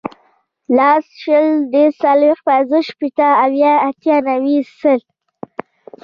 لس, شل, دېرس, څلوېښت, پنځوس, شپېته, اویا, اتیا, نوي, سل